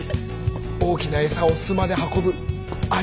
大きな餌を巣まで運ぶアリみたいで。